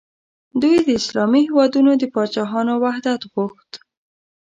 دوی د اسلامي هیوادونو د پاچاهانو وحدت غوښت.